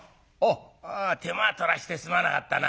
「お手間取らせてすまなかったな。